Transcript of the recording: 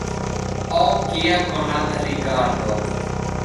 Ho, kia konata rigardo!